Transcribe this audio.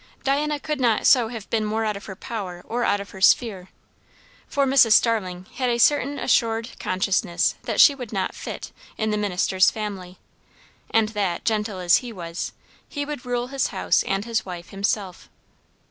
Diana could not so have been more out of her power or out of her sphere; for Mrs. Starling had a certain assured consciousness that she would not "fit" in the minister's family, and that, gentle as he was, he would rule his house and his wife himself.